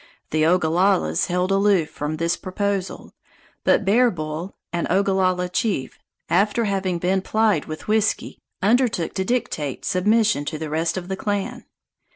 The Ogallalas held aloof from this proposal, but Bear Bull, an Ogallala chief, after having been plied with whisky, undertook to dictate submission to the rest of the clan.